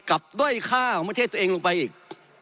ด้อยค่าของประเทศตัวเองลงไปอีก